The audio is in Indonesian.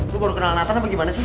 lo baru kenal nantan apa gimana sih